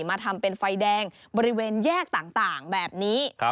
มาทำเป็นไฟแดงบริเวณแยกต่างแบบนี้